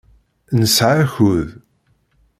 Nesɛa akud.